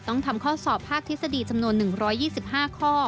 ต้องทำข้อสอบภาคทฤษฎีจำนวน๑๒๕ข้อ